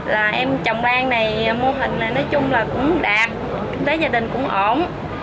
là em trồng lan này mua hình này nói chung là cũng đạt kinh tế gia đình cũng ổn